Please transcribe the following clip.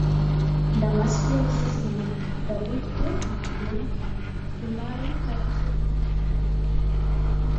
La masklo estas rimarkinda birdo nigrablanka plumaro kaj tre bruna krono.